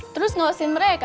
terus ngawasin mereka